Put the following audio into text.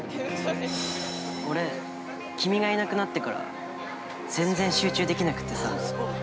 俺、君がいなくなってから全然集中できなくってさ。